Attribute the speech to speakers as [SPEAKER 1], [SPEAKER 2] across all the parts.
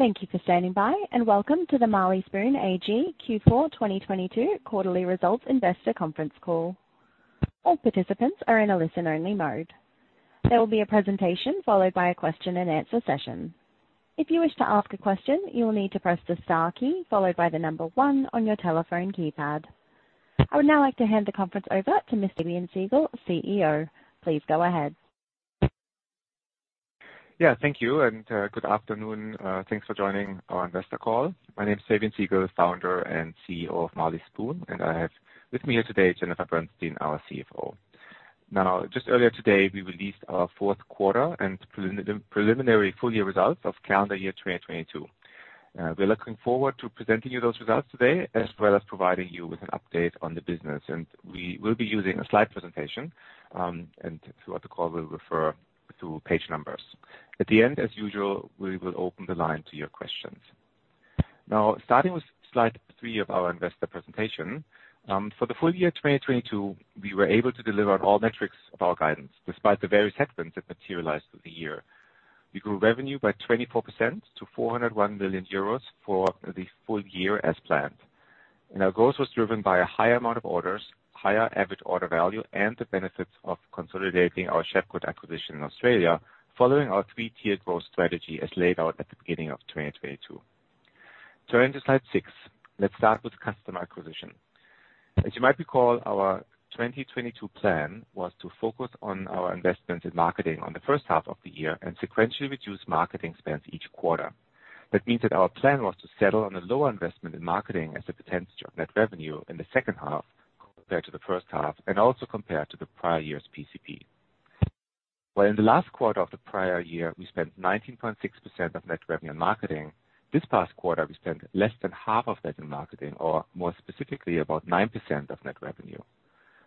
[SPEAKER 1] Thank you for standing by, and welcome to the Marley Spoon AG Q4 2022 Quarterly Results Investor Conference Call. All participants are in a listen-only mode. There will be a presentation followed by a question-and-answer session. If you wish to ask a question, you will need to press the star key followed by the one on your telephone keypad. I would now like to hand the conference over to Mr. Fabian Siegel, CEO. Please go ahead.
[SPEAKER 2] Yeah, thank you and good afternoon. Thanks for joining our investor call. My name is Fabian Siegel, Founder and CEO of Marley Spoon, and I have with me here today Jennifer Bernstein, our CFO. Just earlier today, we released our fourth quarter and preliminary full year results of calendar year 2022. We're looking forward to presenting you those results today, as well as providing you with an update on the business. We will be using a slide presentation, and throughout the call we'll refer to page numbers. At the end, as usual, we will open the line to your questions. Starting with slide three of our investor presentation, for the full year 2022, we were able to deliver on all metrics of our guidance despite the various headwinds that materialized through the year. We grew revenue by 24% to 401 million euros for the full year as planned. Our growth was driven by a high amount of orders, higher average order value, and the benefits of consolidating our Chefgood acquisition in Australia, following our three-tiered growth strategy as laid out at the beginning of 2022. Turning to slide six. Let's start with customer acquisition. As you might recall, our 2022 plan was to focus on our investment in marketing on the first half of the year and sequentially reduce marketing spends each quarter. That means that our plan was to settle on a lower investment in marketing as a potential net revenue in the second half compared to the first half and also compared to the prior year's PCP. While in the last quarter of the prior year, we spent 19.6% of net revenue on marketing, this past quarter we spent less than half of that in marketing, or more specifically, about 9% of net revenue.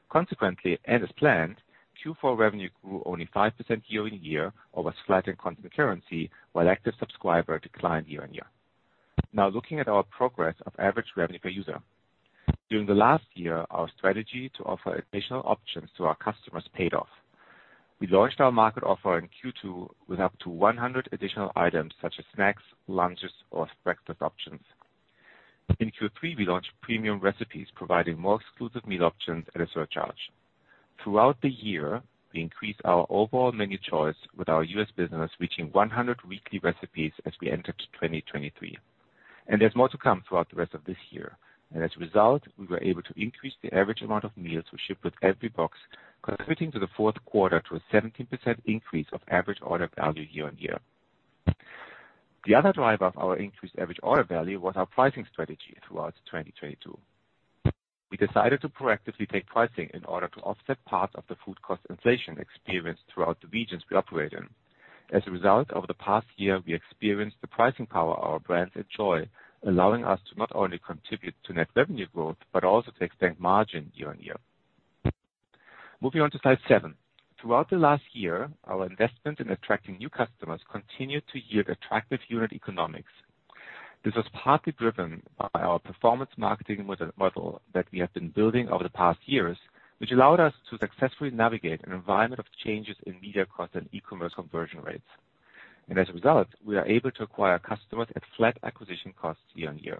[SPEAKER 2] Consequently, as planned, Q4 revenue grew only 5% year-on-year or was flat in constant currency, while active subscriber declined year-on-year. Now looking at our progress of average revenue per user. During the last year, our strategy to offer additional options to our customers paid off. We launched our Market offer in Q2 with up to 100 additional items such as snacks, lunches or breakfast options. In Q3, we launched Premium recipes, providing more exclusive meal options at a surcharge. Throughout the year, we increased our overall menu choice with our U.S. business reaching 100 weekly recipes as we enter 2023. There's more to come throughout the rest of this year. As a result, we were able to increase the average amount of meals we ship with every box, contributing to the fourth quarter to a 17% increase of average order value year-on-year. The other driver of our increased average order value was our pricing strategy throughout 2022. We decided to proactively take pricing in order to offset part of the food cost inflation experienced throughout the regions we operate in. As a result, over the past year, we experienced the pricing power our brands enjoy, allowing us to not only contribute to net revenue growth, but also to extend margin year-on-year. Moving on to slide seven. Throughout the last year, our investment in attracting new customers continued to yield attractive unit economics. This was partly driven by our performance marketing model that we have been building over the past years, which allowed us to successfully navigate an environment of changes in media costs and e-commerce conversion rates. As a result, we are able to acquire customers at flat acquisition costs year-on-year.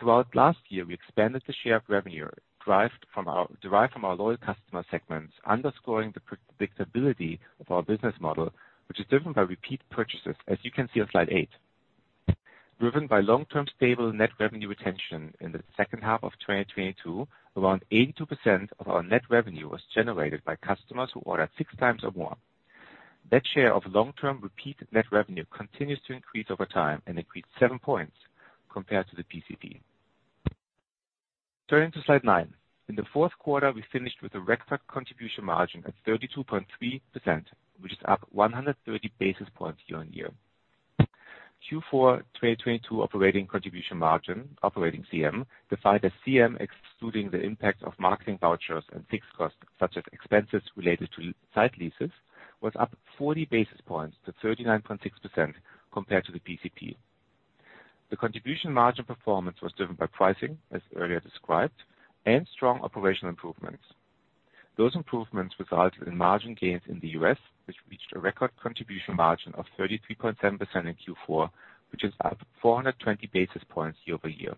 [SPEAKER 2] Throughout last year, we expanded the share of revenue derived from our loyal customer segments, underscoring the predictability of our business model, which is driven by repeat purchases, as you can see on slide eight. Driven by long-term stable net revenue retention in the second half of 2022, around 82% of our net revenue was generated by customers who ordered 6x or more. That share of long-term repeat net revenue continues to increase over time and increased seven points compared to the PCP. Turning to slide nine. In the fourth quarter, we finished with a record Contribution Margin at 32.3%, which is up 130 basis points year-on-year. Q4 2022 Operating Contribution Margin, Operating CM, defined as CM excluding the impact of marketing vouchers and fixed costs such as expenses related to site leases, was up 40 basis points to 39.6% compared to the PCP. The Contribution Margin performance was driven by pricing, as earlier described, and strong operational improvements. Those improvements resulted in margin gains in the U.S., which reached a record Contribution Margin of 33.7% in Q4, which is up 420 basis points year-over-year.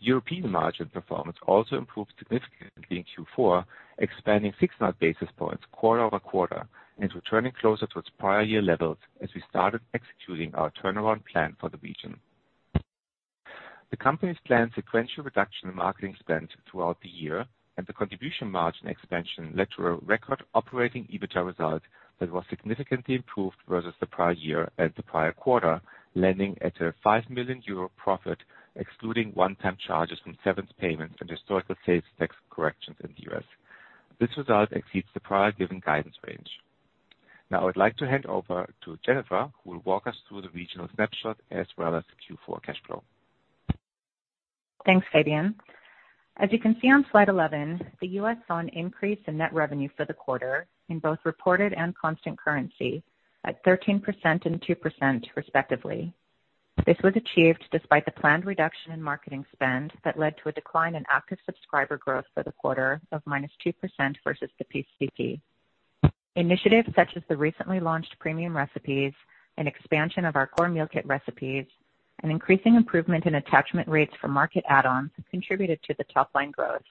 [SPEAKER 2] European margin performance also improved significantly in Q4, expanding 600 basis points quarter-over-quarter and returning closer to its prior year levels as we started executing our turnaround plan for the region. The company's planned sequential reduction in marketing spend throughout the year and the Contribution Margin expansion led to a record Operating EBITDA result that was significantly improved versus the prior year and the prior quarter, landing at a 5 million euro profit, excluding one-time charges from severance payments and historical sales tax corrections in the U.S. This result exceeds the prior given guidance range. I would like to hand over to Jennifer, who will walk us through the regional snapshot as well as the Q4 cash flow.
[SPEAKER 3] Thanks, Fabian. As you can see on slide 11, the U.S. saw an increase in net revenue for the quarter in both reported and constant currency at 13% and 2% respectively. This was achieved despite the planned reduction in marketing spend that led to a decline in active subscriber growth for the quarter of -2% versus the PCP. Initiatives such as the recently launched Premium recipes and expansion of our core meal kit recipes, and increasing improvement in attachment rates for Market add-ons have contributed to the top line growth,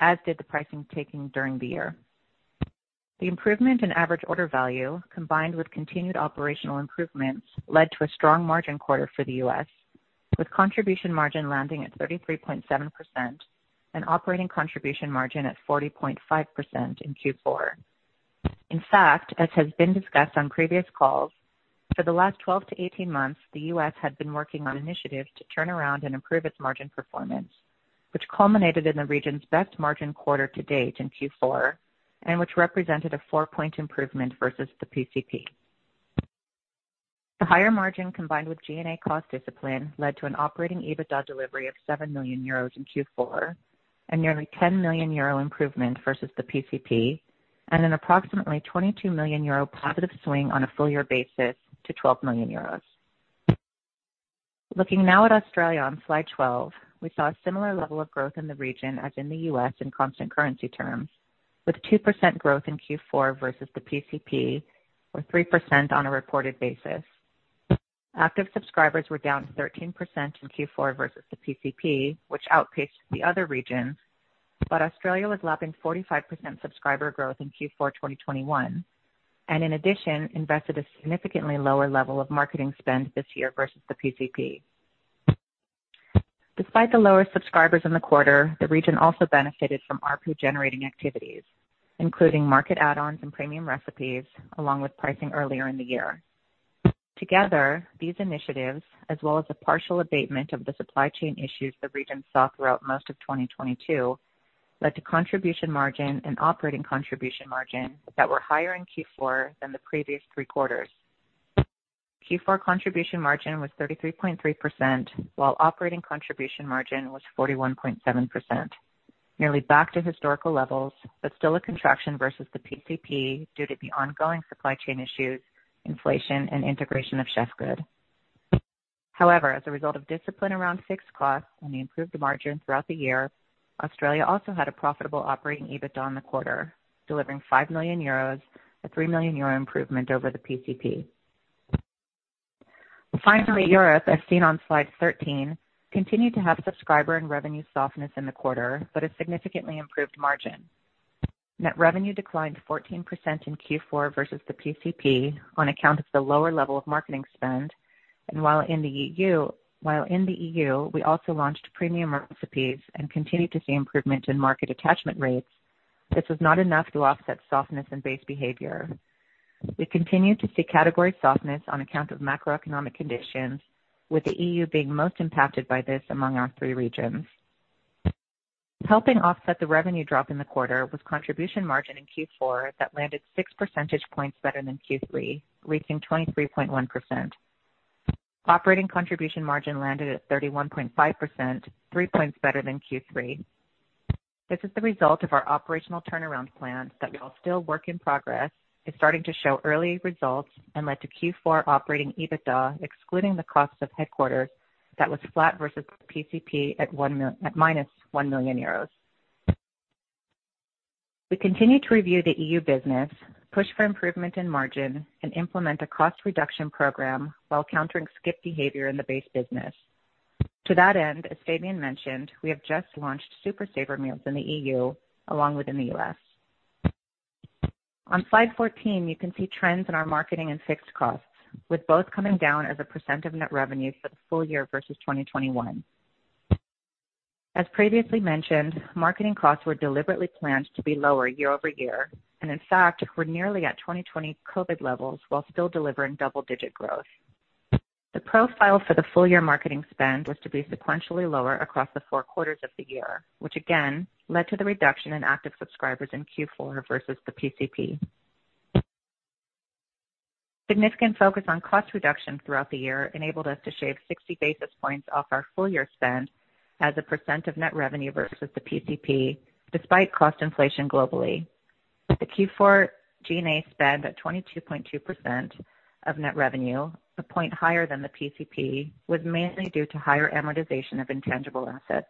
[SPEAKER 3] as did the pricing taking during the year. The improvement in average order value, combined with continued operational improvements, led to a strong margin quarter for the US, with Contribution Margin landing at 33.7% and Operating Contribution Margin at 40.5% in Q4. In fact, as has been discussed on previous calls, for the last 12-18 months, the U.S. had been working on initiatives to turn around and improve its margin performance, which culminated in the region's best margin quarter to date in Q4 and which represented a four-point improvement versus the PCP. The higher margin, combined with G&A cost discipline, led to an Operating EBITDA delivery of 7 million euros in Q4 and nearly 10 million euro improvement versus the PCP and an approximately 22 million euro positive swing on a full year basis to 12 million euros. Looking now at Australia on Slide 12, we saw a similar level of growth in the region as in the U.S. in constant currency terms, with 2% growth in Q4 versus the PCP, or 3% on a reported basis. Active subscribers were down 13% in Q4 versus the PCP, which outpaced the other regions. Australia was lapping 45% subscriber growth in Q4 2021, and in addition invested a significantly lower level of marketing spend this year versus the PCP. Despite the lower subscribers in the quarter, the region also benefited from ARPU generating activities, including Market add-ons and Premium recipes, along with pricing earlier in the year. Together, these initiatives, as well as a partial abatement of the supply chain issues the region saw throughout most of 2022, led to Contribution Margin and Operating Contribution Margin that were higher in Q4 than the previous three quarters. Q4 contribution margin was 33.3%, while operating contribution margin was 41.7%, nearly back to historical levels, but still a contraction versus the PCP due to the ongoing supply chain issues, inflation and integration of Chefgood. As a result of discipline around fixed costs and the improved margin throughout the year, Australia also had a profitable operating EBITDA in the quarter, delivering 5 million euros, a 3 million euro improvement over the PCP. Finally, Europe, as seen on Slide 13, continued to have subscriber and revenue softness in the quarter, but a significantly improved margin. Net revenue declined 14% in Q4 versus the PCP on account of the lower level of marketing spend. While in the EU, we also launched Premium recipes and continued to see improvement in Market attachment rates, this was not enough to offset softness in base behavior. We continue to see category softness on account of macroeconomic conditions, with the EU being most impacted by this among our three regions. Helping offset the revenue drop in the quarter was Contribution Margin in Q4 that landed 6 percentage points better than Q3, reaching 23.1%. Operating Contribution Margin landed at 31.5%, 3 points better than Q3. This is the result of our operational turnaround plan that while still work in progress, is starting to show early results and led to Q4 Operating EBITDA, excluding the cost of headquarters that was flat versus PCP at minus 1 million euros. We continue to review the EU business, push for improvement in margin and implement a cost reduction program while countering skip behavior in the base business. To that end, as Fabian mentioned, we have just launched Super Saver meals in the EU along with in the U.S. On Slide 14, you can see trends in our marketing and fixed costs, with both coming down as a % of net revenue for the full year versus 2021. As previously mentioned, marketing costs were deliberately planned to be lower year-over-year and in fact were nearly at 2020 COVID levels while still delivering double-digit growth. The profile for the full year marketing spend was to be sequentially lower across the four quarters of the year, which again led to the reduction in active subscribers in Q4 versus the PCP. Significant focus on cost reduction throughout the year enabled us to shave 60 basis points off our full year spend as a % of net revenue versus the PCP despite cost inflation globally. The Q4 G&A spend at 22.2% of net revenue, one point higher than the PCP, was mainly due to higher amortization of intangible assets.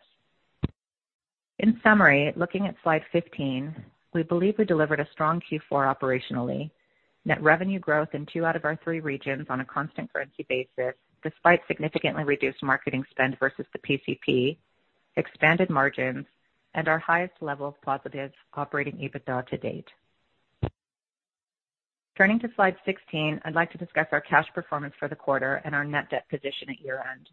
[SPEAKER 3] In summary, looking at Slide 15, we believe we delivered a strong Q4 operationally, net revenue growth in two out of our three regions on a constant currency basis, despite significantly reduced marketing spend versus the PCP, expanded margins and our highest level of positive Operating EBITDA to date. Turning to Slide 16, I'd like to discuss our cash performance for the quarter and our net debt position at year-end.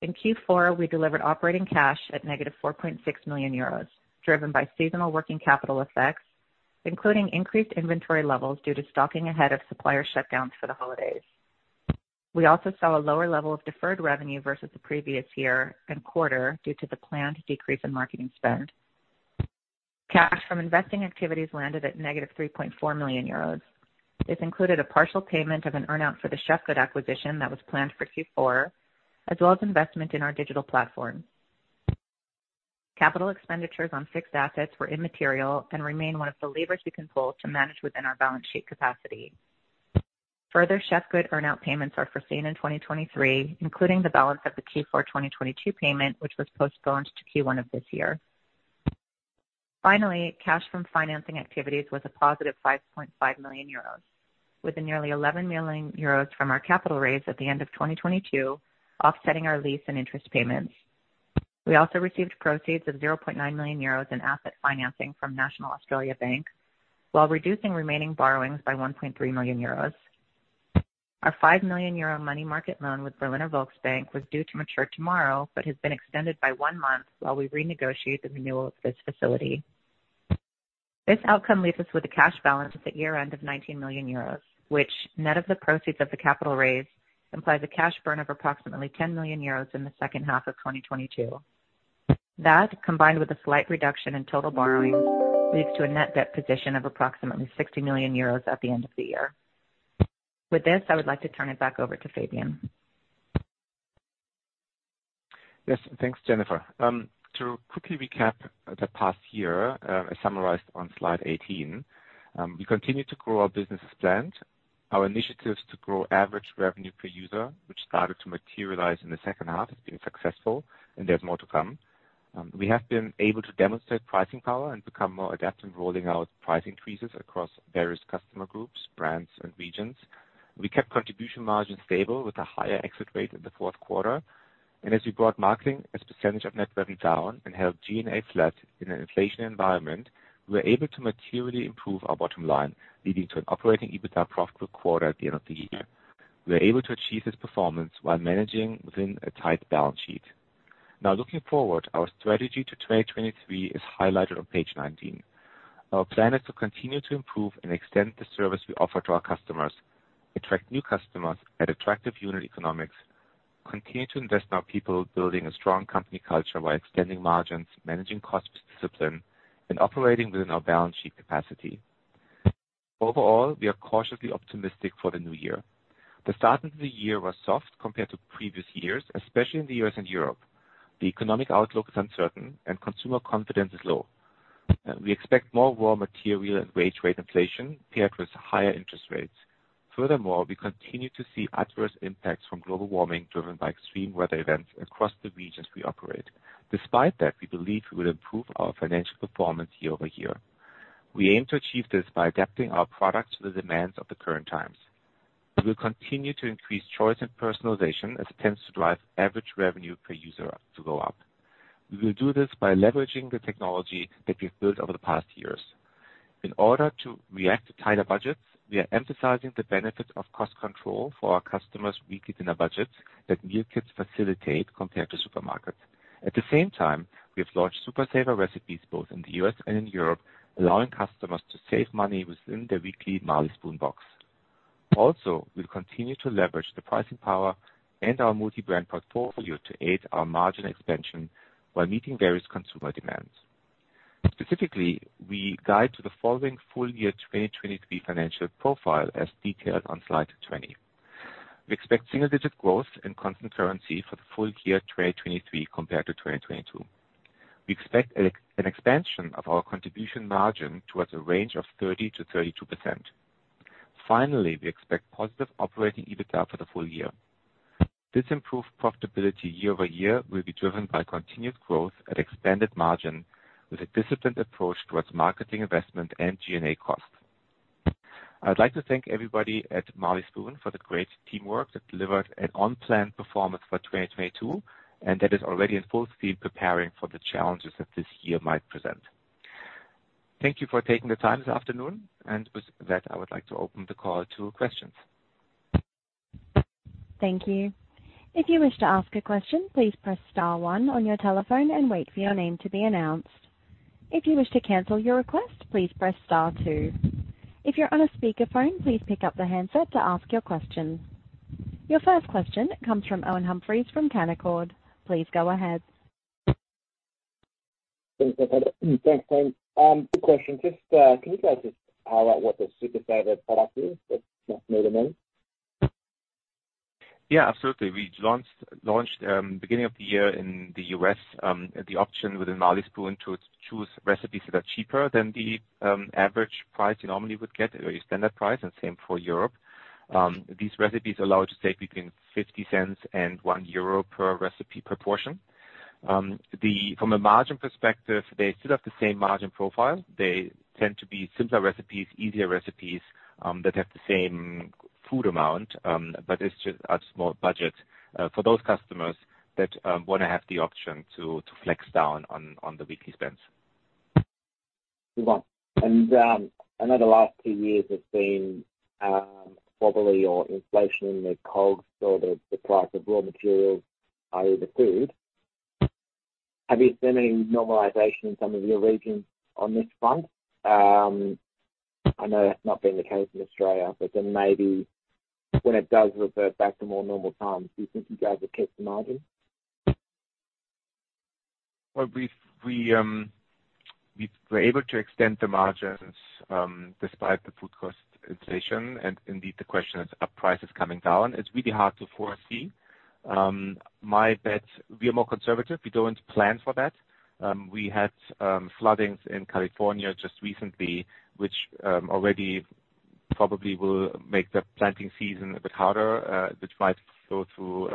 [SPEAKER 3] In Q4, we delivered operating cash at negative 4.6 million euros, driven by seasonal working capital effects, including increased inventory levels due to stocking ahead of supplier shutdowns for the holidays. We also saw a lower level of deferred revenue versus the previous year and quarter due to the planned decrease in marketing spend. Cash from investing activities landed at negative 3.4 million euros. This included a partial payment of an earn-out for the Chefgood acquisition that was planned for Q4, as well as investment in our digital platform. Capital expenditures on fixed assets were immaterial and remain one of the levers we can pull to manage within our balance sheet capacity. Further Chefgood earn-out payments are foreseen in 2023, including the balance of the Q4 2022 payment, which was postponed to Q1 of this year. Cash from financing activities was a positive 5.5 million euros, with a nearly 11 million euros from our capital raise at the end of 2022 offsetting our lease and interest payments. We also received proceeds of 0.9 million euros in asset financing from National Australia Bank while reducing remaining borrowings by 1.3 million euros. Our 5 million euro money market loan with Berliner Volksbank was due to mature tomorrow, but has been extended by one month while we renegotiate the renewal of this facility. This outcome leaves us with a cash balance at the year-end of 19 million euros, which net of the proceeds of the capital raise, implies a cash burn of approximately 10 million euros in the second half of 2022. That, combined with a slight reduction in total borrowing, leads to a net debt position of approximately 60 million euros at the end of the year. With this, I would like to turn it back over to Fabian.
[SPEAKER 2] Yes, thanks, Jennifer. To quickly recap the past year, as summarized on slide 18, we continue to grow our business as planned. Our initiatives to grow average revenue per user, which started to materialize in the second half, has been successful and there's more to come. We have been able to demonstrate pricing power and become more adept in rolling out price increases across various customer groups, brands and regions. We kept Contribution Margins stable with a higher exit rate in the fourth quarter. As we brought marketing as a % of net revenue down and held G&A flat in an inflation environment, we were able to materially improve our bottom line, leading to an Operating EBITDA profitable quarter at the end of the year. We were able to achieve this performance while managing within a tight balance sheet. Looking forward, our strategy to 2023 is highlighted on page 19. Our plan is to continue to improve and extend the service we offer to our customers, attract new customers at attractive unit economics, continue to invest in our people, building a strong company culture by extending margins, managing cost discipline, and operating within our balance sheet capacity. We are cautiously optimistic for the new year. The start of the year was soft compared to previous years, especially in the U.S. and Europe. The economic outlook is uncertain and consumer confidence is low. We expect more raw material and wage rate inflation paired with higher interest rates. We continue to see adverse impacts from global warming driven by extreme weather events across the regions we operate. Despite that, we believe we will improve our financial performance year-over-year. We aim to achieve this by adapting our products to the demands of the current times. We will continue to increase choice and personalization as it tends to drive average revenue per user to go up. We will do this by leveraging the technology that we've built over the past years. In order to react to tighter budgets, we are emphasizing the benefits of cost control for our customers' weekly dinner budgets that meal kits facilitate compared to supermarkets. At the same time, we have launched Super Saver recipes both in the U.S. and in Europe, allowing customers to save money within their weekly Marley Spoon box. We'll continue to leverage the pricing power and our multi-brand portfolio to aid our margin expansion while meeting various consumer demands. Specifically, we guide to the following full year 2023 financial profile as detailed on slide 20. We expect single-digit growth in constant currency for the full year 2023 compared to 2022. We expect an expansion of our contribution margin towards a range of 30%-32%. We expect positive operating EBITDA for the full year. This improved profitability year-over-year will be driven by continued growth at expanded margin with a disciplined approach towards marketing investment and G&A costs. I'd like to thank everybody at Marley Spoon for the great teamwork that delivered an on-plan performance for 2022, and that is already in full speed preparing for the challenges that this year might present. Thank you for taking the time this afternoon. With that, I would like to open the call to questions.
[SPEAKER 1] Thank you. If you wish to ask a question, please press star one on your telephone and wait for your name to be announced. If you wish to cancel your request, please press star two. If you're on a speaker phone, please pick up the handset to ask your question. Your first question comes from Owen Humphries from Canaccord. Please go ahead.
[SPEAKER 4] Thanks, Jennifer. Thanks, Fabian. Quick question. Just can you guys just highlight what the Super Saver product is that you just made a note?
[SPEAKER 2] Yeah, absolutely. We launched beginning of the year in the US, the option within Marley Spoon to choose recipes that are cheaper than the average price you normally would get, or your standard price. Same for Europe. These recipes allow you to save between 0.50 and 1 euro per recipe per portion. From a margin perspective, they still have the same margin profile. They tend to be simpler recipes, easier recipes that have the same food amount. It's just a small budget for those customers that want to have the option to flex down on the weekly spends.
[SPEAKER 4] Move on. I know the last two years have seen probably your inflation in the COGS or the price of raw materials over food. Have you seen any normalization in some of your regions on this front? I know that's not been the case in Australia, maybe when it does revert back to more normal times, do you think you guys will keep the margin?
[SPEAKER 2] Well, we were able to extend the margins despite the food cost inflation. Indeed the question is, are prices coming down? It's really hard to foresee. My bet, we are more conservative. We don't plan for that. We had floodings in California just recently, which already probably will make the planting season a bit harder, which might go through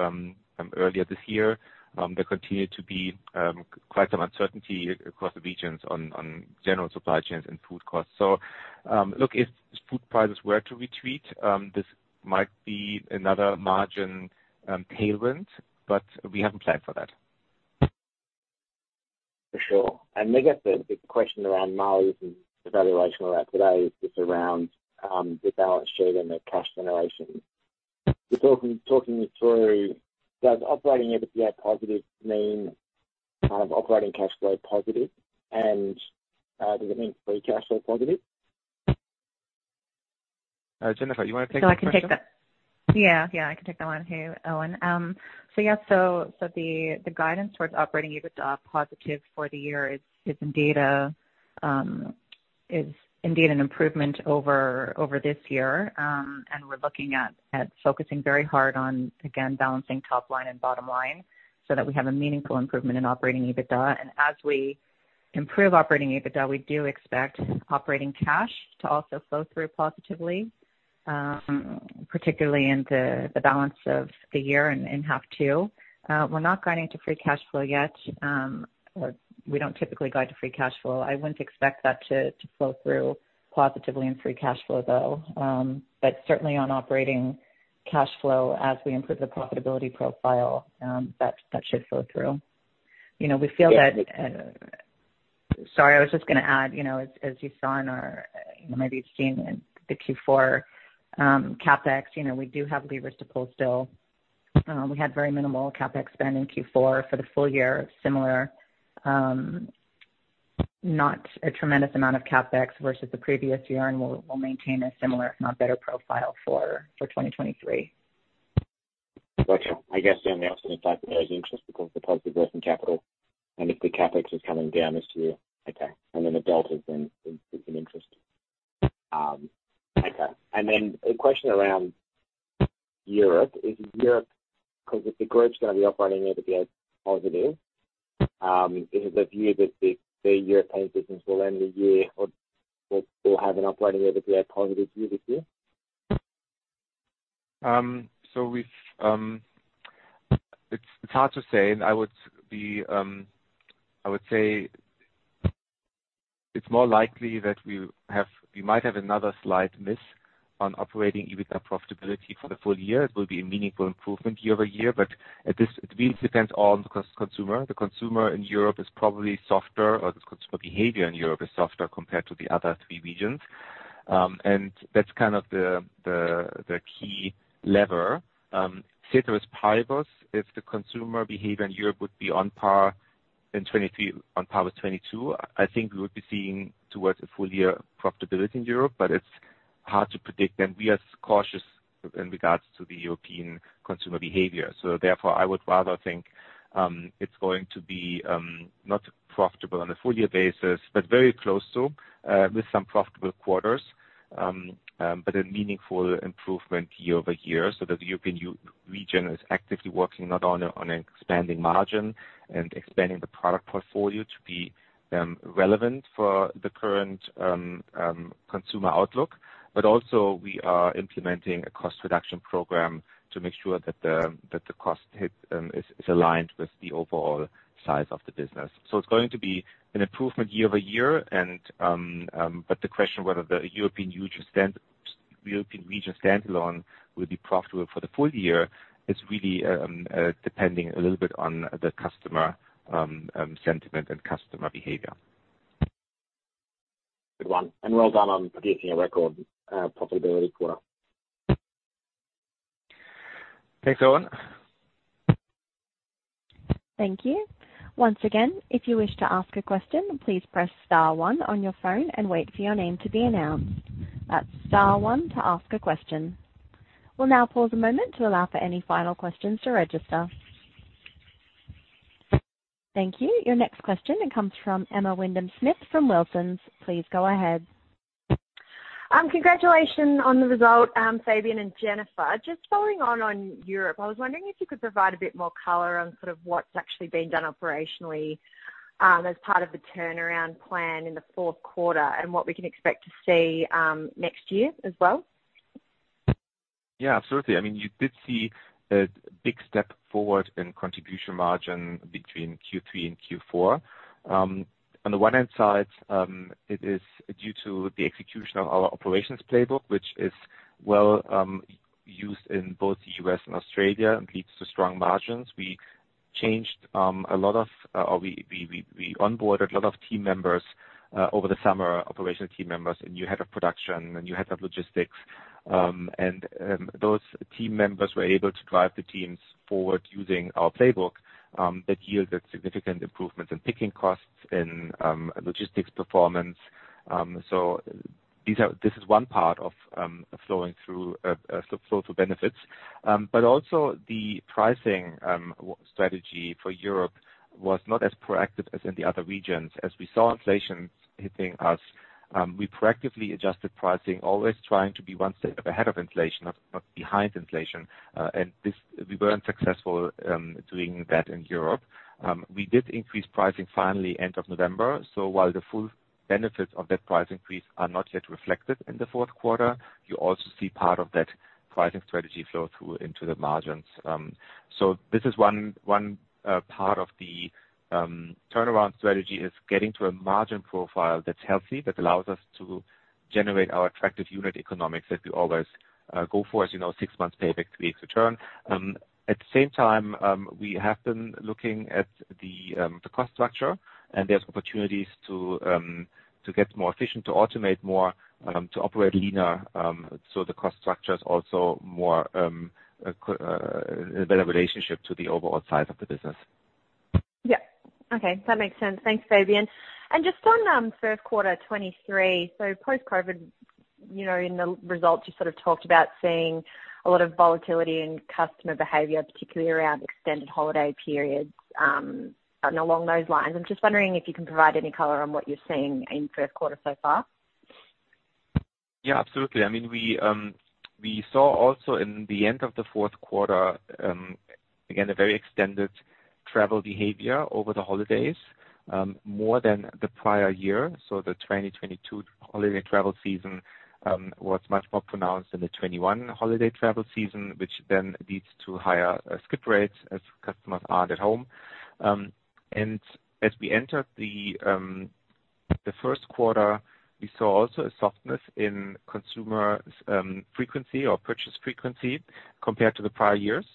[SPEAKER 2] earlier this year. There continue to be quite some uncertainty across the regions on general supply chains and food costs. Look, if food prices were to retreat, this might be another margin tailwind, but we haven't planned for that.
[SPEAKER 4] For sure. I guess the question around margins and evaluation around today is just around the balance sheet and the cash generation. Just walking, talking me through, does Operating EBITDA positive mean kind of operating cash flow positive and does it mean free cash flow positive?
[SPEAKER 2] Jennifer, you wanna take that question?
[SPEAKER 3] I can take that. Yeah, I can take that one too, Owen. The guidance towards Operating EBITDA positive for the year is indeed an improvement over this year. We're looking at focusing very hard on, again, balancing top line and bottom line so that we have a meaningful improvement in Operating EBITDA. As we improve Operating EBITDA, we do expect operating cash to also flow through positively, particularly in the balance of the year in half two. We're not guiding to free cash flow yet, or we don't typically guide to free cash flow. I wouldn't expect that to flow through positively in free cash flow though. Certainly on operating cash flow as we improve the profitability profile, that should flow through. You know, we feel.
[SPEAKER 4] Yeah.
[SPEAKER 3] Sorry, I was just gonna add, you know, as you saw in our, you know, maybe you've seen in the Q4, CapEx, you know, we do have levers to pull still. We had very minimal CapEx spend in Q4 for the full year, similar, not a tremendous amount of CapEx versus the previous year, and we'll maintain a similar, if not better, profile for 2023.
[SPEAKER 4] Gotcha. I guess then the only factor there is interest because of the positive growth in capital and if the CapEx is coming down this year. Okay. The delta then is in interest. Okay. A question around Europe. 'Cause if the group's gonna be Operating EBITDA positive, is the view that the European business will end the year or will have an Operating EBITDA positive view this year?
[SPEAKER 2] It's hard to say, and I would be, I would say it's more likely that we might have another slight miss on Operating EBITDA profitability for the full year. It will be a meaningful improvement year-over-year, at this it really depends on the consumer. The consumer in Europe is probably softer or the consumer behavior in Europe is softer compared to the other three regions. That's kind of the key lever. Ceteris paribus, if the consumer behavior in Europe would be on par in 2023 on par with 2022, I think we would be seeing towards a full year profitability in Europe, it's hard to predict, and we are cautious in regards to the European consumer behavior. Therefore, I would rather think, it's going to be not profitable on a full year basis, but very close to, with some profitable quarters. A meaningful improvement year-over-year so that the European region is actively working not on an expanding margin and expanding the product portfolio to be relevant for the current consumer outlook. Also we are implementing a cost reduction program to make sure that the cost hit is aligned with the overall size of the business. It's going to be an improvement year-over-year, but the question whether the European region standalone will be profitable for the full year is really depending a little bit on the customer sentiment and customer behavior.
[SPEAKER 4] Good one. Well done on beating a record profitability quarter.
[SPEAKER 2] Thanks, Owen.
[SPEAKER 1] Thank you. Once again, if you wish to ask a question, please press star one on your phone and wait for your name to be announced. That's star one to ask a question. We'll now pause a moment to allow for any final questions to register. Thank you. Your next question comes from Emma Wyndham-Smith from Wilsons. Please go ahead.
[SPEAKER 5] Congratulations on the result, Fabian and Jennifer. Just following on Europe, I was wondering if you could provide a bit more color on sort of what's actually been done operationally, as part of the turnaround plan in the fourth quarter and what we can expect to see, next year as well?
[SPEAKER 2] Yeah, absolutely. I mean, you did see a big step forward in Contribution Margin between Q3 and Q4. On the one hand side, it is due to the execution of our operations playbook, which is well used in both the U.S. and Australia and leads to strong margins. We changed a lot of, or we onboarded a lot of team members over the summer, operational team members, a new head of production, a new head of logistics. Those team members were able to drive the teams forward using our playbook that yielded significant improvements in picking costs, in logistics performance. So this is one part of flowing through flow through benefits. Also the pricing strategy for Europe was not as proactive as in the other regions. As we saw inflation hitting us, we proactively adjusted pricing, always trying to be one step ahead of inflation, not behind inflation. We weren't successful doing that in Europe. We did increase pricing finally end of November. While the full benefits of that price increase are not yet reflected in the fourth quarter, you also see part of that pricing strategy flow through into the margins. This is one part of the turnaround strategy is getting to a margin profile that's healthy, that allows us to generate our attractive unit economics that we always go for. As you know, six months pay back, three weeks return. At the same time, we have been looking at the cost structure. There's opportunities to get more efficient, to automate more, to operate leaner. The cost structure is also more, a better relationship to the overall size of the business.
[SPEAKER 5] Yeah. Okay, that makes sense. Thanks, Fabian. Just on, first quarter 2023, so post-COVID, you know, in the results, you sort of talked about seeing a lot of volatility in customer behavior, particularly around extended holiday periods. Along those lines, I'm just wondering if you can provide any color on what you're seeing in first quarter so far.
[SPEAKER 2] Yeah, absolutely. I mean, we saw also in the end of the fourth quarter, again, a very extended travel behavior over the holidays, more than the prior year. The 2022 holiday travel season was much more pronounced than the 2021 holiday travel season, which then leads to higher skip rates as customers aren't at home. As we entered the first quarter, we saw also a softness in consumer frequency or purchase frequency compared to the prior years,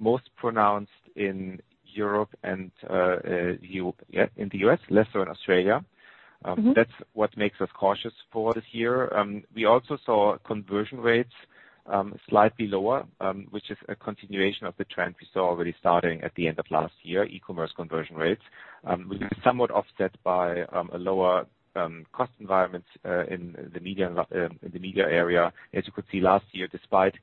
[SPEAKER 2] most pronounced in Europe and yeah, in the U.S., lesser in Australia.
[SPEAKER 5] Mm-hmm.
[SPEAKER 2] That's what makes us cautious for this year. We also saw conversion rates slightly lower, which is a continuation of the trend we saw already starting at the end of last year, e-commerce conversion rates. We were somewhat offset by a lower cost environment in the media, in the media area. As you could see last year, despite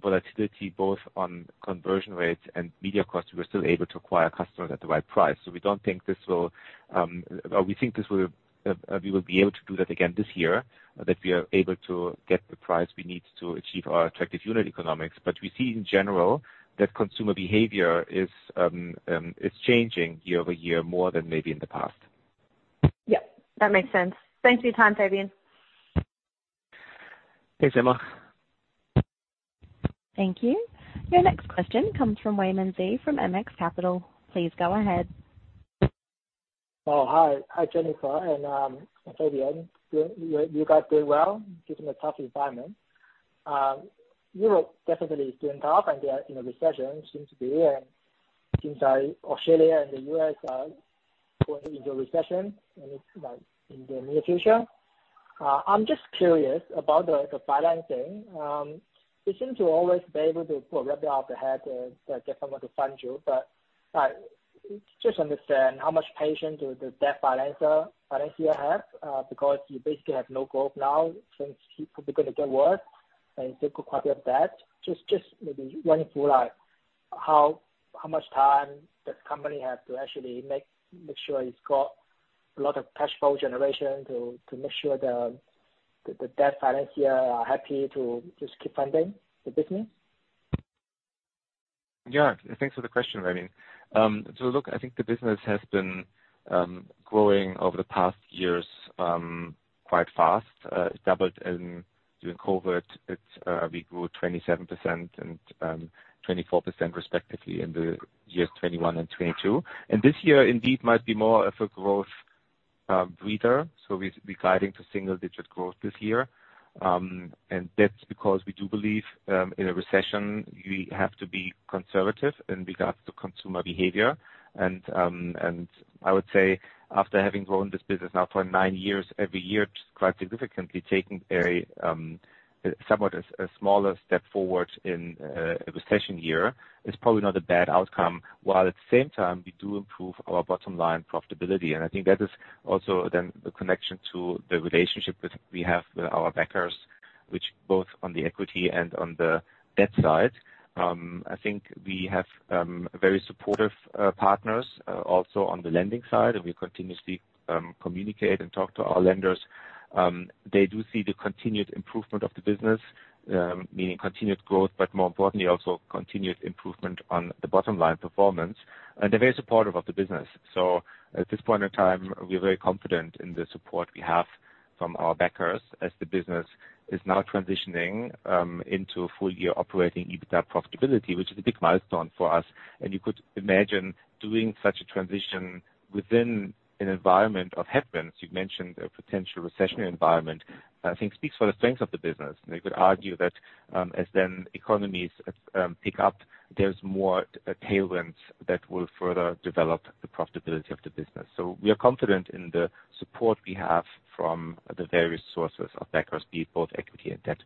[SPEAKER 2] volatility both on conversion rates and media costs, we were still able to acquire customers at the right price. We think this will, we will be able to do that again this year, that we are able to get the price we need to achieve our attractive unit economics. We see in general that consumer behavior is changing year-over-year more than maybe in the past.
[SPEAKER 5] Yeah, that makes sense. Thanks for your time, Fabian.
[SPEAKER 2] Thanks, Emma.
[SPEAKER 1] Thank you. Your next question comes from Weimin Xie from MX Capital. Please go ahead.
[SPEAKER 6] Hi. Hi, Jennifer and Fabian. You guys doing well despite the tough environment. You were definitely doing tough and the, you know, recession seems to be, and it seems like Australia and the U.S. are going into recession and it's like in the near future. I'm just curious about the financing. You seem to always be able to pull, wrap it off the head and get someone to fund you. Just understand how much patience do the debt financier have, because you basically have no growth now since people are gonna get work and still cook up your debt. Just maybe run through, like, how much time does the company have to actually make sure it's got a lot of cash flow generation to make sure the debt financier are happy to just keep funding the business?
[SPEAKER 2] Yeah. Thanks for the question, Weimin. So look, I think the business has been growing over the past years, quite fast. It doubled in, during COVID. We grew 27% and 24% respectively in the years 2021 and 2022. This year indeed might be more of a growth reader. So we're guiding to single-digit growth this year. That's because we do believe in a recession, you have to be conservative in regards to consumer behavior. I would say after having grown this business now for nine years, every year quite significantly, taking a somewhat a smaller step forward in a recession year is probably not a bad outcome. While at the same time, we do improve our bottom line profitability. I think that is also then the connection to the relationship that we have with our backers, which both on the equity and on the debt side, I think we have very supportive partners also on the lending side, and we continuously communicate and talk to our lenders. They do see the continued improvement of the business, meaning continued growth, but more importantly also continued improvement on the bottom line performance. They're very supportive of the business. At this point in time, we're very confident in the support we have from our backers as the business is now transitioning into full year Operating EBITDA profitability, which is a big milestone for us. You could imagine doing such a transition within an environment of headwinds. You've mentioned a potential recession environment, I think speaks for the strength of the business. You could argue that, as then economies pick up, there's more tailwinds that will further develop the profitability of the business. We are confident in the support we have from the various sources of backers, be it both equity and debt.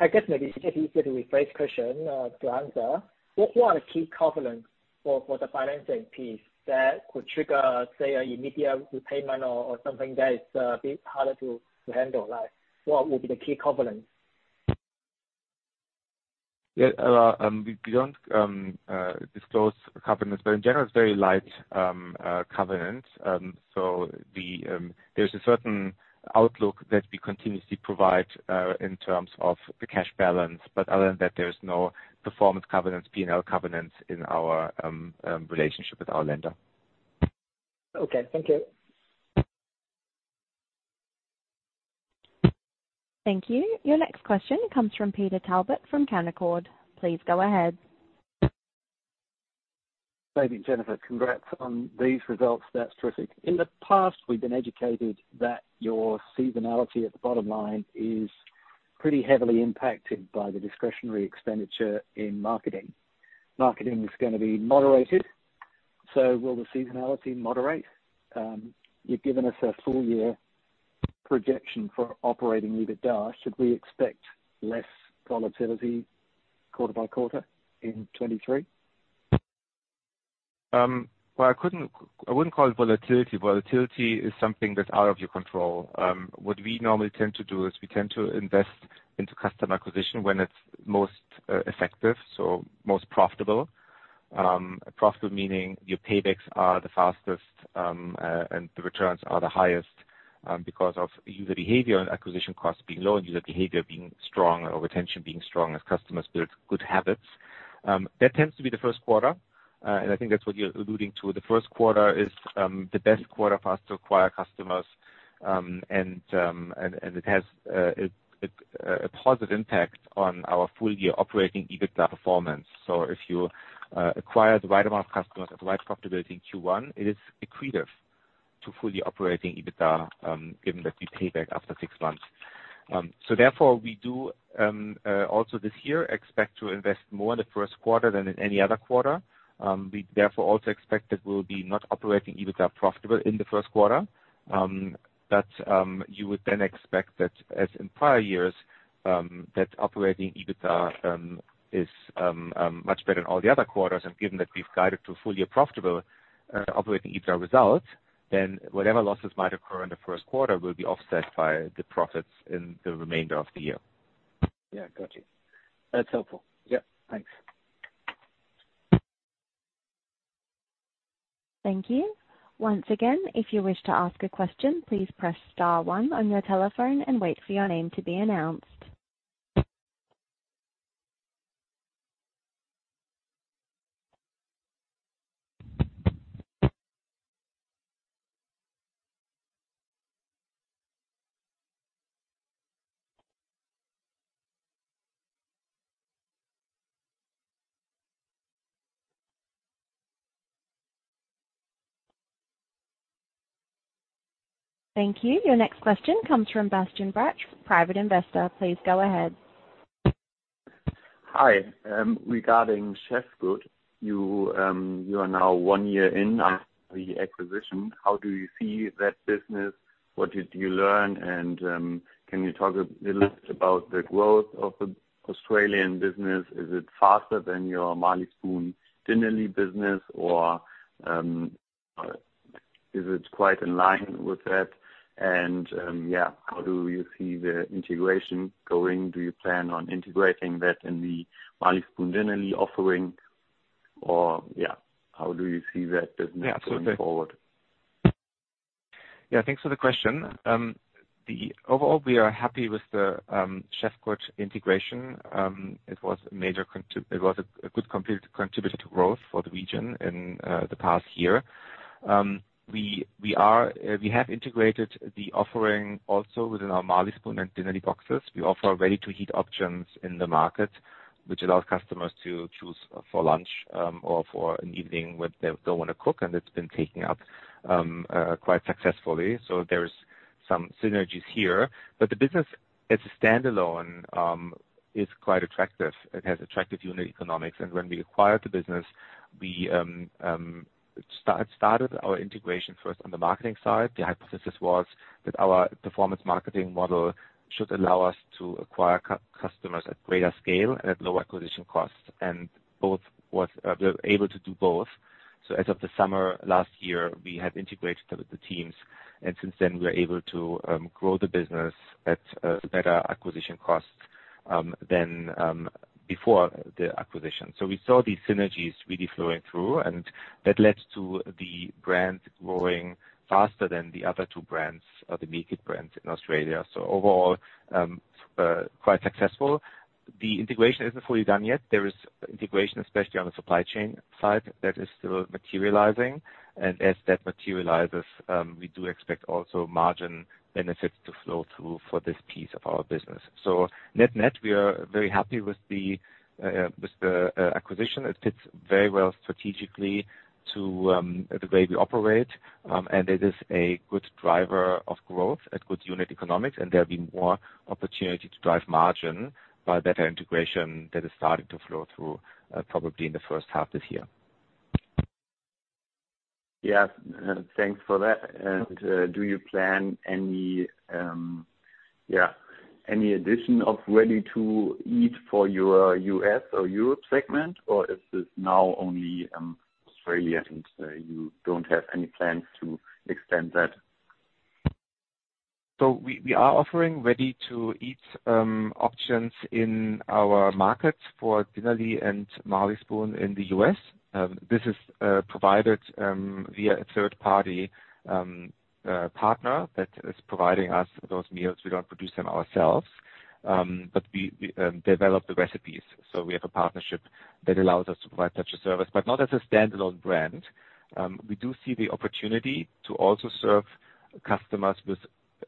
[SPEAKER 6] I guess maybe it's easier to rephrase question to answer. What are the key covenants for the financing piece that could trigger, say, an immediate repayment or something that is a bit harder to handle? Like, what would be the key covenants?
[SPEAKER 2] We don't disclose covenants, but in general it's very light covenant. There's a certain outlook that we continuously provide in terms of the cash balance. Other than that, there's no performance covenants, P&L covenants in our relationship with our lender.
[SPEAKER 6] Okay, thank you.
[SPEAKER 1] Thank you. Your next question comes from Peter Talbot from Canaccord. Please go ahead.
[SPEAKER 7] Fabian and Jennifer, congrats on these results. That's terrific. In the past, we've been educated that your seasonality at the bottom line is pretty heavily impacted by the discretionary expenditure in marketing. Marketing is gonna be moderated, will the seasonality moderate? You've given us a full year projection for Operating EBITDA. Should we expect less volatility quarter by quarter in 2023?
[SPEAKER 2] Well, I wouldn't call it volatility. Volatility is something that's out of your control. What we normally tend to do is we tend to invest into customer acquisition when it's most effective, so most profitable. Profitable meaning your paybacks are the fastest and the returns are the highest because of user behavior and acquisition costs being low and user behavior being strong or retention being strong as customers build good habits. That tends to be the first quarter. I think that's what you're alluding to. The first quarter is the best quarter for us to acquire customers. It has a positive impact on our full year operating EBITDA performance. If you acquire the right amount of customers at the right profitability in Q1, it is accretive to fully Operating EBITDA, given that we pay back after 6 months. Therefore, we do also this year expect to invest more in the first quarter than in any other quarter. We therefore also expect that we'll be not Operating EBITDA profitable in the first quarter. You would then expect that as in prior years, that Operating EBITDA is much better than all the other quarters. Given that we've guided to a full year profitable Operating EBITDA result, whatever losses might occur in the first quarter will be offset by the profits in the remainder of the year.
[SPEAKER 7] Yeah. Got you. That's helpful. Yep. Thanks.
[SPEAKER 1] Thank you. Once again, if you wish to ask a question, please press star one on your telephone and wait for your name to be announced. Thank you. Your next question comes from Bastian Bursch, Private Investor. Please go ahead.
[SPEAKER 8] Hi. Regarding Chefgood, you are now one year in after the acquisition. How do you see that business? What did you learn? Can you talk a little bit about the growth of the Australian business? Is it faster than your Marley Spoon Dinnerly business or, is it quite in line with that? Yeah, how do you see the integration going? Do you plan on integrating that in the Marley Spoon Dinnerly offering or, yeah, how do you see that business going forward?
[SPEAKER 2] Yeah. Thanks for the question. Overall, we are happy with the Chefgood integration. It was a good contributor to growth for the region in the past year. We have integrated the offering also within our Marley Spoon and Dinnerly boxes. We offer ready-to-heat options in the Market, which allows customers to choose for lunch or for an evening when they don't wanna cook, and it's been taking up quite successfully. There's some synergies here. The business as a standalone is quite attractive. It has attractive unit economics. When we acquired the business, we started our integration first on the marketing side. The hypothesis was that our performance marketing model should allow us to acquire customers at greater scale and at lower acquisition costs. Both was, we were able to do both. As of the summer last year, we had integrated the teams. Since then we are able to grow the business at better acquisition costs than before the acquisition. We saw these synergies really flowing through. That led to the brand growing faster than the other two brands or the meal-kit brands in Australia. Overall, quite successful. The integration isn't fully done yet. There is integration, especially on the supply chain side, that is still materializing. As that materializes, we do expect also margin benefits to flow through for this piece of our business. Net-net, we are very happy with the acquisition. It fits very well strategically to the way we operate. It is a good driver of growth at good unit economics, and there'll be more opportunity to drive margin by better integration that is starting to flow through, probably in the first half this year.
[SPEAKER 8] Yeah. Thanks for that. Do you plan any addition of ready to eat for your U.S. or Europe segment? Is this now only Australia and you don't have any plans to extend that?
[SPEAKER 2] We are offering ready-to-eat options in our markets for Dinnerly and Marley Spoon in the U.S. This is provided via a third party partner that is providing us those meals. We don't produce them ourselves. We develop the recipes. We have a partnership that allows us to provide such a service, but not as a standalone brand. We do see the opportunity to also serve customers with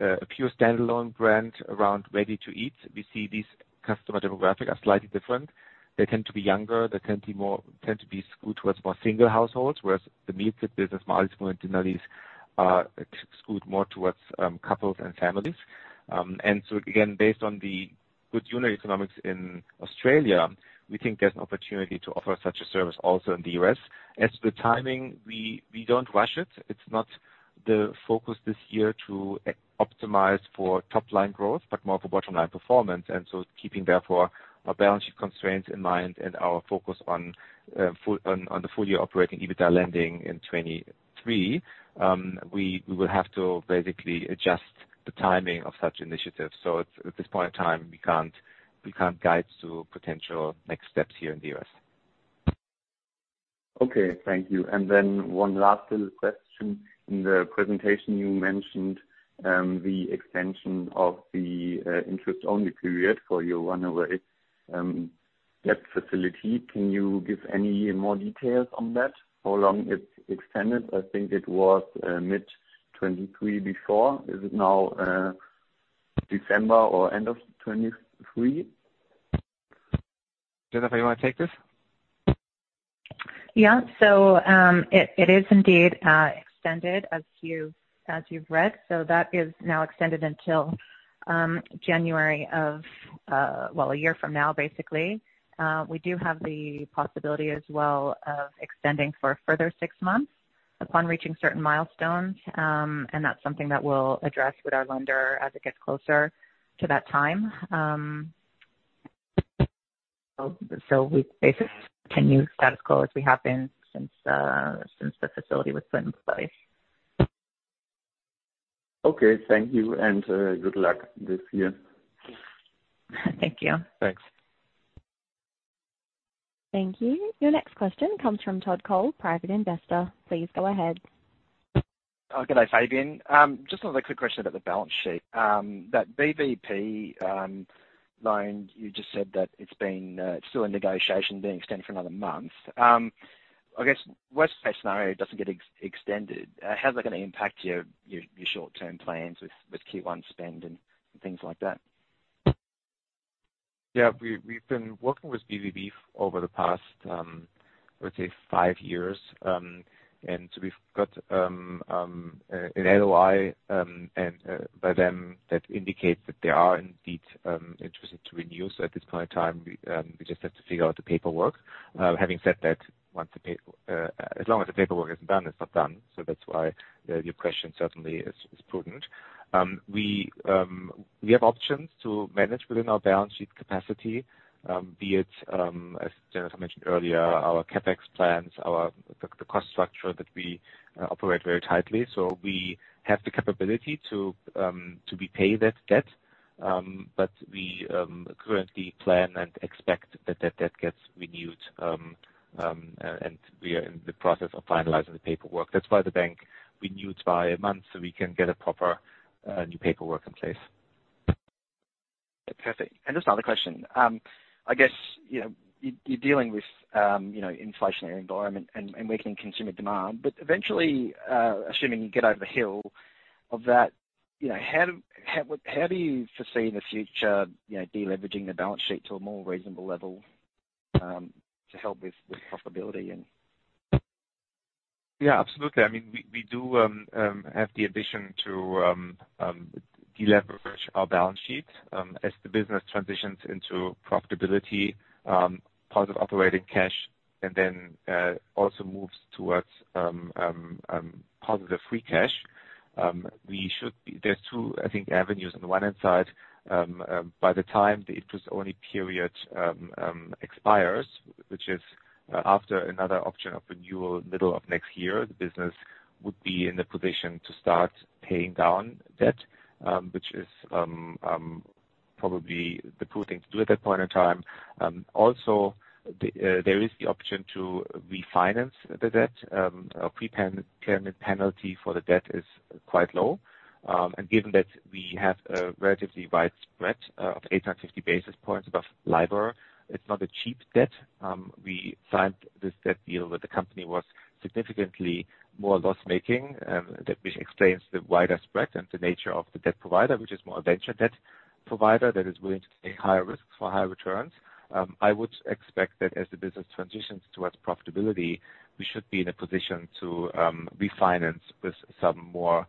[SPEAKER 2] a pure standalone brand around ready to eat. We see these customer demographic are slightly different. They tend to be younger. They tend to be skewed towards more single households, whereas the meal-kit business, Marley Spoon and Dinnerly's, are skewed more towards couples and families. Again, based on the good unit economics in Australia, we think there's an opportunity to offer such a service also in the U.S. As to the timing, we don't rush it. It's not the focus this year to optimize for top line growth, but more for bottom line performance. Keeping therefore our balance sheet constraints in mind and our focus on the full year Operating EBITDA landing in 23, we will have to basically adjust the timing of such initiatives. At this point in time, we can't guide to potential next steps here in the U.S.
[SPEAKER 8] Okay. Thank you. One last little question. In the presentation you mentioned, the extension of the interest-only period for your Runway debt facility. Can you give any more details on that? How long it's extended? I think it was mid 2023 before. Is it now December or end of 2023?
[SPEAKER 2] Jennifer, you wanna take this?
[SPEAKER 3] It is indeed extended as you've read. That is now extended until January of, well, a year from now, basically. We do have the possibility as well of extending for a further six months upon reaching certain milestones. That's something that we'll address with our lender as it gets closer to that time. We basically continue status quo as we have been since since the facility was put in place.
[SPEAKER 8] Okay, thank you. Good luck this year.
[SPEAKER 3] Thank you.
[SPEAKER 8] Thanks.
[SPEAKER 1] Thank you. Your next question comes from Todd Cole, Private Investor. Please go ahead.
[SPEAKER 9] Oh, good day, Fabian. Just another quick question about the balance sheet. That BVB loan, you just said that it's been, it's still in negotiation being extended for another month. I guess worst case scenario, it doesn't get extended. How's that gonna impact your short-term plans with Q1 spend and things like that?
[SPEAKER 2] We've been working with BVB over the past, I would say five years. We've got an LOI, and by them that indicates that they are indeed interested to renew. At this point in time, we just have to figure out the paperwork. Having said that, as long as the paperwork isn't done, it's not done. That's why your question certainly is prudent. We have options to manage within our balance sheet capacity, be it as Jennifer mentioned earlier, our CapEx plans, the cost structure that we operate very tightly. We have the capability to pre-pay that debt, but we currently plan and expect that debt gets renewed. We are in the process of finalizing the paperwork. That's why the bank renewed by a month, so we can get a proper, new paperwork in place.
[SPEAKER 9] Perfect. Just another question? I guess, you know, you're dealing with, you know, inflationary environment and weakening consumer demand. Eventually, assuming you get over the hill of that, you know, how do you foresee in the future, you know, de-leveraging the balance sheet to a more reasonable level to help with profitability and...
[SPEAKER 2] Yeah, absolutely. I mean, we do have the addition to deleverage our balance sheet as the business transitions into profitability, positive operating cash, and then also moves towards positive free cash. There's two, I think, avenues. On the one hand side, by the time the interest-only period expires, which is after another option of renewal middle of next year, the business would be in the position to start paying down debt, which is probably the prudent thing to do at that point in time. Also the there is the option to refinance the debt. Our pre-payment penalty for the debt is quite low. Given that we have a relatively wide spread of 850 basis points above LIBOR, it's not a cheap debt. We signed this debt deal when the company was significantly more loss-making, which explains the wider spread and the nature of the debt provider, which is more a venture debt provider that is willing to take higher risks for higher returns. I would expect that as the business transitions towards profitability, we should be in a position to refinance with some more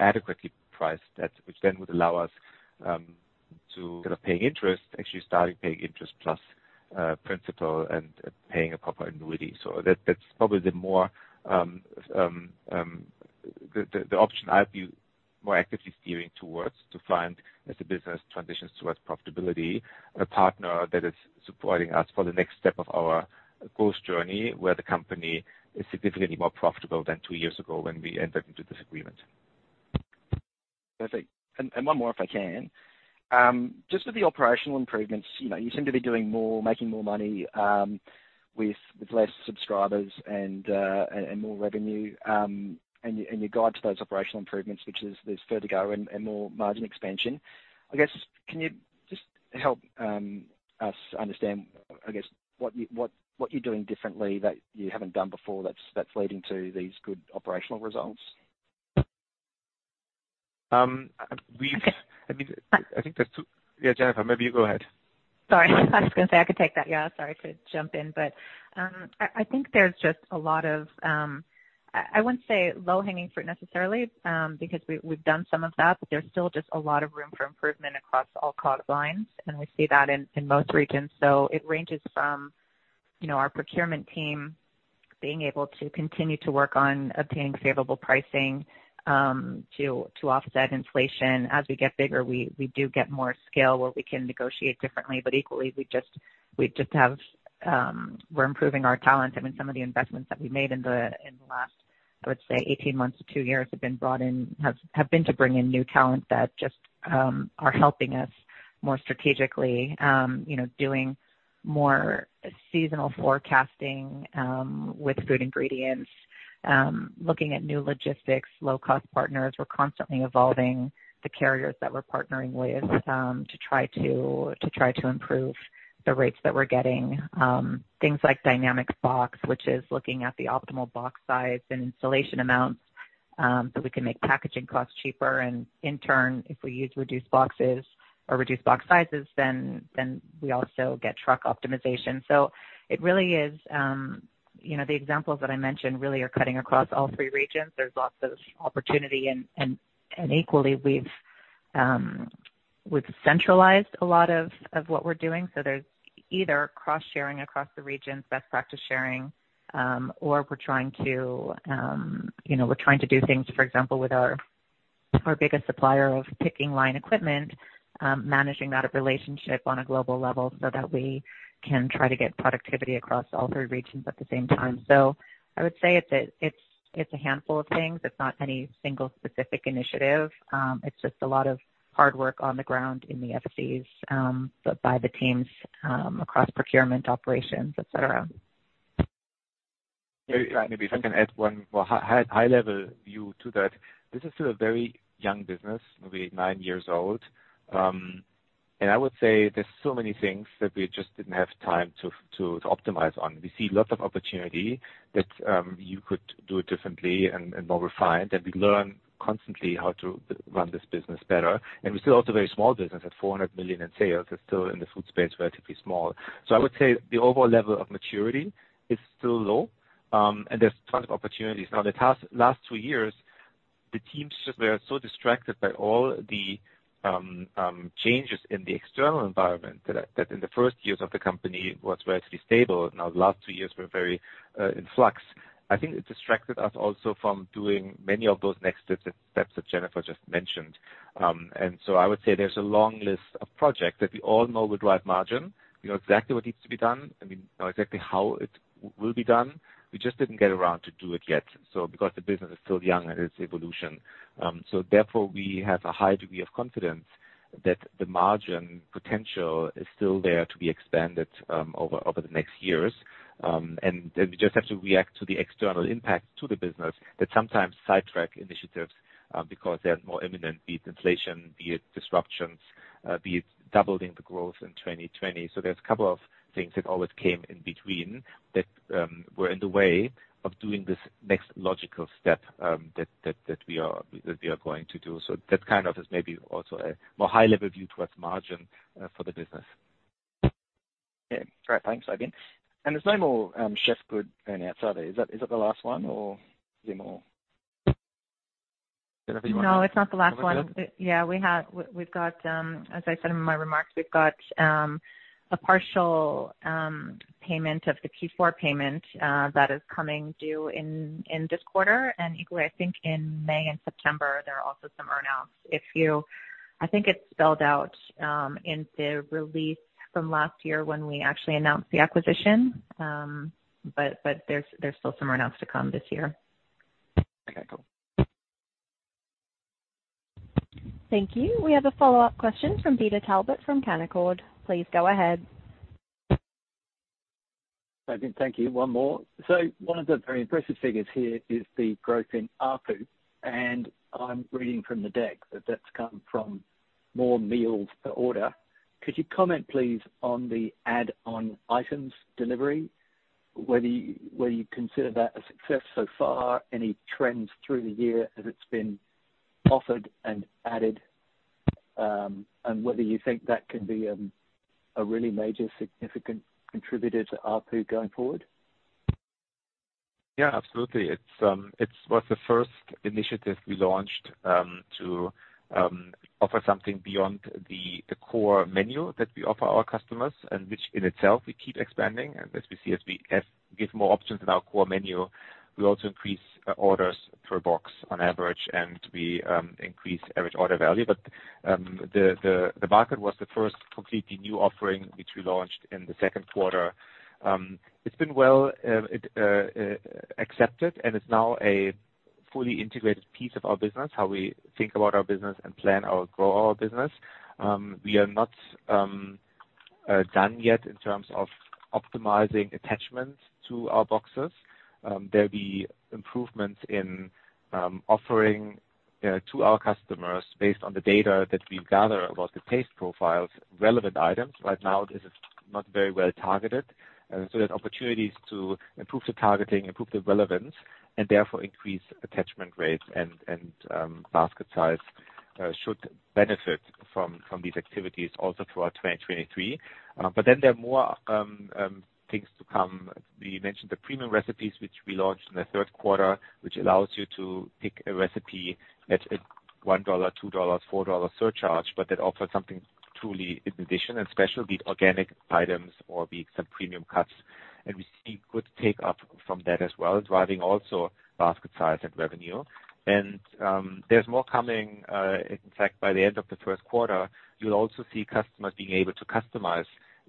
[SPEAKER 2] adequately priced debt, which then would allow us to kind of paying interest, actually starting paying interest plus principal and paying a proper annuity. That's probably the more the option I'd be more actively steering towards to find as the business transitions towards profitability. A partner that is supporting us for the next step of our growth journey, where the company is significantly more profitable than two years ago when we entered into this agreement.
[SPEAKER 9] Perfect. One more if I can. Just with the operational improvements, you know, you seem to be doing more, making more money, with less subscribers and more revenue. Your guide to those operational improvements, which is there's further go and more margin expansion. I guess, can you just help us understand, I guess, what you're doing differently that you haven't done before that's leading to these good operational results?
[SPEAKER 2] Um, we've-
[SPEAKER 9] Okay.
[SPEAKER 2] I mean, I think there's two. Yeah, Jennifer, maybe you go ahead.
[SPEAKER 3] Sorry. I was gonna say I could take that. Yeah, sorry to jump in, but I think there's just a lot of I wouldn't say low-hanging fruit necessarily because we've done some of that, but there's still just a lot of room for improvement across all product lines, and we see that in most regions. It ranges from, you know, our procurement team being able to continue to work on obtaining favorable pricing to offset inflation. As we get bigger, we do get more scale where we can negotiate differently, but equally we just have we're improving our talent. I mean, some of the investments that we made in the, in the last, I would say 18 months to two years, have been to bring in new talent that just are helping us more strategically, you know, doing more seasonal forecasting with food ingredients, looking at new logistics, low-cost partners. We're constantly evolving the carriers that we're partnering with to try to improve the rates that we're getting. Things like dynamic box, which is looking at the optimal box size and installation amounts, so we can make packaging costs cheaper. In turn, if we use reduced boxes or reduced box sizes, then we also get truck optimization. It really is, you know, the examples that I mentioned really are cutting across all three regions. There's lots of opportunity and equally we've centralized a lot of what we're doing. There's either cross-sharing across the regions, best practice sharing, or we're trying to, you know, we're trying to do things, for example, with our biggest supplier of picking line equipment, managing that relationship on a global level so that we can try to get productivity across all three regions at the same time. I would say it's a handful of things. It's not any single specific initiative. It's just a lot of hard work on the ground in the FCs, but by the teams, across procurement operations, et cetera.
[SPEAKER 2] Maybe if I can add 1 more high level view to that. This is still a very young business, maybe 9 years old. I would say there's so many things that we just didn't have time to optimize on. We see lots of opportunity that you could do it differently and more refined, and we learn constantly how to run this business better. We're still also a very small business at 400 million in sales. It's still in the food space, relatively small. I would say the overall level of maturity is still low, and there's tons of opportunities. Now, the past last 2 years, the teams just were so distracted by all the changes in the external environment that in the first years of the company was relatively stable. Now, the last two years were very in flux. I think it distracted us also from doing many of those next steps that Jennifer just mentioned. I would say there's a long list of projects that we all know would drive margin. We know exactly what needs to be done. I mean, know exactly how it will be done. We just didn't get around to do it yet, so because the business is still young in its evolution. Therefore, we have a high degree of confidence that the margin potential is still there to be expanded over the next years. We just have to react to the external impact to the business that sometimes sidetrack initiatives because they're more imminent, be it inflation, be it disruptions, be it doubling the growth in 2020. There's a couple of things that always came in between that were in the way of doing this next logical step that we are going to do. That kind of is maybe also a more high-level view towards margin for the business.
[SPEAKER 9] Yeah. Great. Thanks, again. There's no more Chefgood earn-outs are there? Is that the last one or is there more?
[SPEAKER 2] Whatever you wanna.
[SPEAKER 3] No, it's not the last one.
[SPEAKER 2] Go ahead.
[SPEAKER 3] Yeah, we've got, as I said in my remarks, we've got a partial payment of the Q4 payment that is coming due in this quarter. Equally, I think in May and September, there are also some earn-outs. If you I think it's spelled out in the release from last year when we actually announced the acquisition. There's still some earn-outs to come this year.
[SPEAKER 9] Okay, cool.
[SPEAKER 1] Thank you. We have a follow-up question from Peter Talbot from Canaccord. Please go ahead.
[SPEAKER 7] Again, thank you. One more. One of the very impressive figures here is the growth in ARPU, and I'm reading from the deck that that's come from more meals per order. Could you comment, please, on the add-on items delivery, whether you, whether you consider that a success so far, any trends through the year as it's been offered and added, and whether you think that can be a really major significant contributor to ARPU going forward?
[SPEAKER 2] Yeah, absolutely. It was the first initiative we launched to offer something beyond the core menu that we offer our customers, and which in itself we keep expanding. As we see, as we give more options in our core menu, we also increase orders per box on average, and we increase average order value. The basket was the first completely new offering which we launched in the second quarter. It's been well accepted, and it's now a fully integrated piece of our business, how we think about our business and grow our business. We are not done yet in terms of optimizing attachments to our boxes. There'll be improvements in offering to our customers based on the data that we gather about the taste profiles relevant items. Right now, this is not very well targeted. There's opportunities to improve the targeting, improve the relevance, and therefore increase attachment rates and basket size should benefit from these activities also throughout 2023. There are more things to come. We mentioned the Premium recipes which we launched in the third quarter, which allows you to pick a recipe at a $1, $2, $4 surcharge, but that offers something truly in addition. Especially the organic items or the premium cuts. We see good take up from that as well, driving also basket size and revenue. There's more coming. In fact, by the end of the first quarter, you'll also see customers being able to customize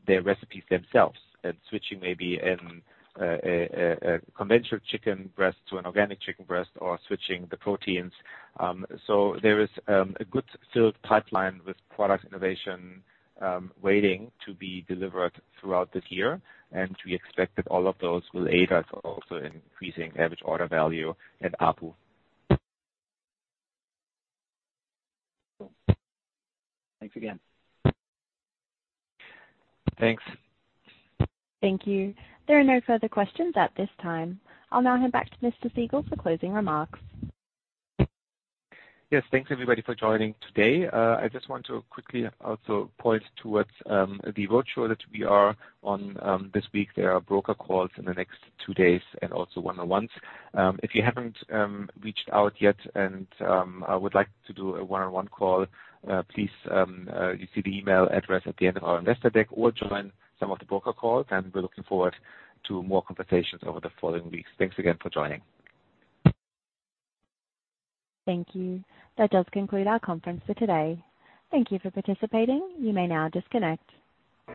[SPEAKER 2] their recipes themselves and switching maybe a conventional chicken breast to an organic chicken breast or switching the proteins. So there is a good filled pipeline with product innovation waiting to be delivered throughout this year. We expect that all of those will aid us also in increasing average order value and ARPU.
[SPEAKER 7] Thanks again. Thanks.
[SPEAKER 1] Thank you. There are no further questions at this time. I'll now hand back to Mr. Siegel for closing remarks.
[SPEAKER 2] Yes, thanks everybody for joining today. I just want to quickly also point towards the virtual that we are on this week. There are broker calls in the next two days and also one-on-ones. If you haven't reached out yet and would like to do a one-on-one call, please, you see the email address at the end of our investor deck or join some of the broker calls, and we're looking forward to more conversations over the following weeks. Thanks again for joining.
[SPEAKER 1] Thank you. That does conclude our conference for today. Thank you for participating. You may now disconnect.